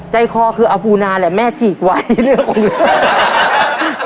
ใจคอคืออปูนาแหละแม่ฉีกไวเรื่องของเรื่อง